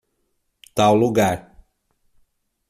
Tal lugar